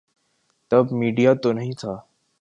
تب میڈیا تو نہیں تھا۔